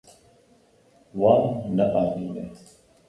Wan neanîne.